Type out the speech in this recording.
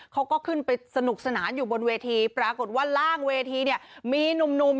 เขาก็ขึ้นไปสนุกสนานอยู่บนเวทีปรากฏว่าล่างเวทีเนี่ยมีหนุ่ม